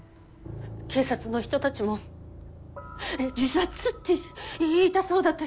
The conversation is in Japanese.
警察の人たちも自殺って言いたそうだったし。